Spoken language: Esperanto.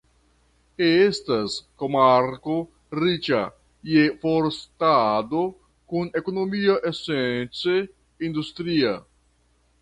Estas komarko riĉa je forstado kun ekonomio esence industria.